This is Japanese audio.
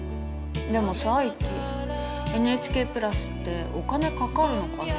でもさイッキＮＨＫプラスってお金かかるのかな。